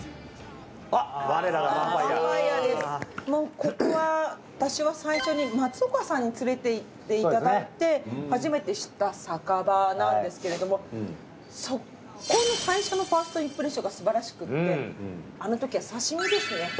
もうここは私は最初に松岡さんに連れていっていただいて初めて知った酒場なんですけれどもそこの最初のファーストインプレッションがすばらしくてあのときは刺身ですね。